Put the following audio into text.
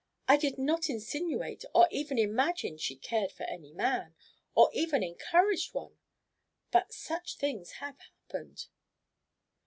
I did not insinuate or even imagine she cared for any man, or even encouraged one. But such things have happened."